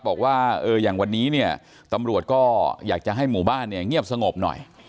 บอกว่าอย่างวันนี้เนี่ยตำรวจก็อยากจะให้หมู่บ้านเนี่ยเงียบสงบหน่อย